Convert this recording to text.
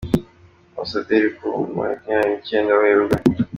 Ambasaderi ku wa makumyabiri n’icyenda Werurwe.